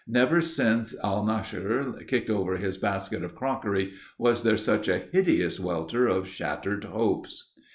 Never since Alnaschar kicked over his basket of crockery was there such a hideous welter of shattered hopes.